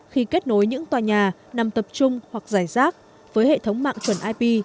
khi kết nối những tòa nhà nằm tập trung hoặc giải rác với hệ thống mạng chuẩn ip